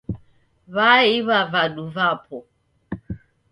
W'aiw'a vadu vapo.